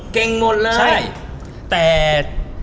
เก่งหมดเลย